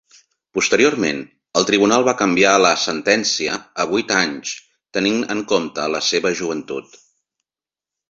Posteriorment, el tribunal va canviar la sentència a vuit anys, tenint en compte la seva joventut.